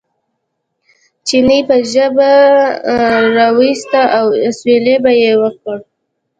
چیني به ژبه را وویسته او اسوېلی به یې وکړ.